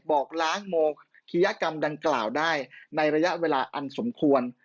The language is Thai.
บอกล้างโมคิยกรรมดังกล่าวได้ในระยะเวลาอันสมควร